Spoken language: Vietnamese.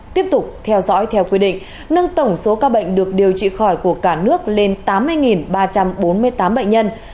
tiếp tục theo dõi theo quy định nâng tổng số ca bệnh được điều trị khỏi của cả nước lên tám mươi ba trăm bốn mươi tám bệnh nhân